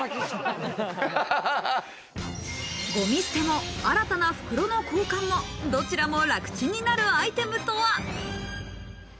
ゴミ捨ても新たな袋の交換も、どちらも楽チンになるアイテムとは？